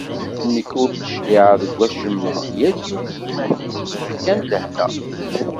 Nekk ur d-cliɛeɣ deg wacemma, yal yiwen i yiman-is, bɣiɣ kan lehna.